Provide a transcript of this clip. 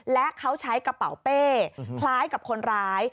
และเขาใช้กระเป๋าเป้คล้ายกับคนร้าย